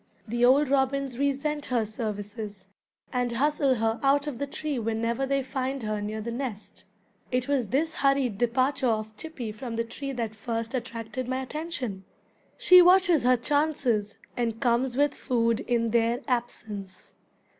The old robins resent her services, and hustle her out of the tree whenever they find her near the nest. (It was this hurried departure of Chippy from the tree that first attracted my attention.) She watches her chances, and comes with food in their absence.